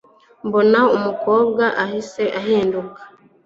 mbona umukobwa ahise ahinduka